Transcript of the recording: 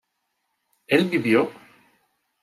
¿él vivió?